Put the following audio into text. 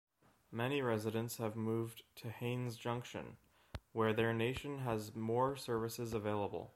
Many residents have moved to Haines Junction, where their nation has more services available.